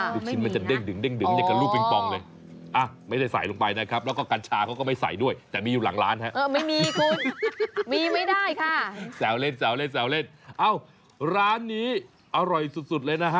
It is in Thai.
ลูกชิ้นมันจะเด้งเหมือนกับรูปปิงปองเลย